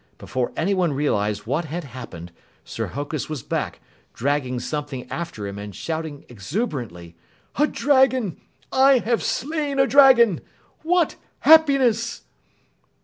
Before anyone realized what had happened, Sir Hokus was back, dragging something after him and shouting exuberantly, "A dragon! I have slain a dragon! What happiness!"